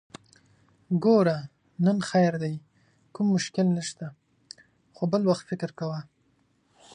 ګوره! نن خير دی، کوم مشکل نشته، خو بل وخت فکر کوه!